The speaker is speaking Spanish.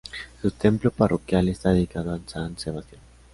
Su templo parroquial está dedicado a San Sebastián.